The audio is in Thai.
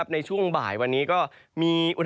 ในช่วงบ่ายวันนี้